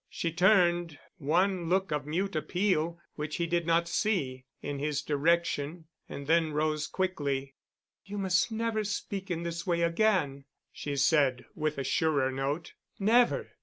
She turned one look of mute appeal, which he did not see, in his direction, and then rose quickly. "You must never speak in this way again," she said, with a surer note. "Never.